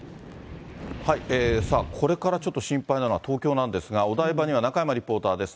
さあ、これからちょっと心配なのは東京なんですが、お台場には中山リポーターです。